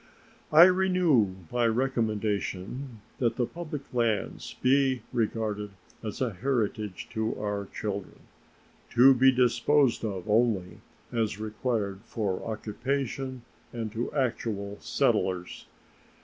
I renew my recommendation that the public lands be regarded as a heritage to our children, to be disposed of only as required for occupation and to actual settlers.